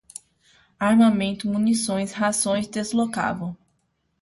armamentos, munições, rações, deslocavam